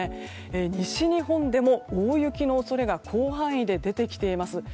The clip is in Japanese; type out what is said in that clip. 西日本でも大雪の恐れが広範囲で出てきています。